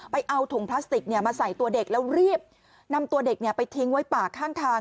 เอาถุงพลาสติกมาใส่ตัวเด็กแล้วรีบนำตัวเด็กไปทิ้งไว้ป่าข้างทาง